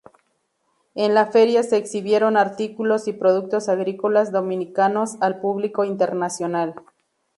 En la feria se exhibieron artículos y productos agrícolas dominicanos al público internacional.